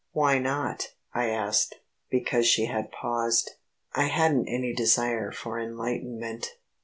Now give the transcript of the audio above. "Why not?" I asked, because she had paused. I hadn't any desire for enlightenment.